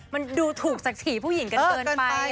มันดูถูกสักถีผู้หญิงเกินไป